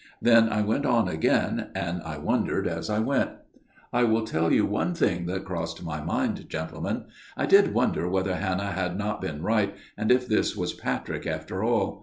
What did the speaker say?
Then I went on again and I wondered as I went. " I will tell you one thing that crossed my mind, gentlemen. I did wonder whether Hannah had not been right, and if this was Patrick after all.